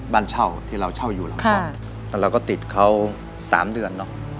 บ้านเช่าที่เราเช่าอยู่แล้วก็ติดเขา๓เดือน